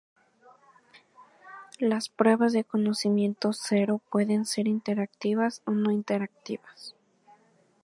Las pruebas de conocimiento cero pueden ser interactivas o no interactivas.